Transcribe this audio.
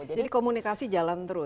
jadi komunikasi jalan terus